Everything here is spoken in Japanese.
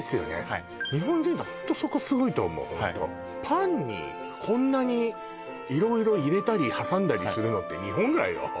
はい日本人はホントそこすごいと思うパンにこんなに色々入れたり挟んだりするのって日本ぐらいよ